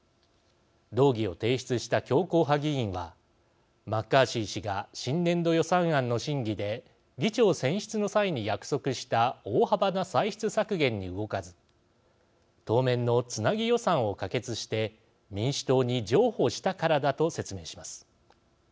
動議を提出した強硬派議員はマッカーシー氏が新年度予算案の審議で議長選出の際に約束した大幅な歳出削減に動かず当面のつなぎ予算を可決して民主党に譲歩したからだと説明します。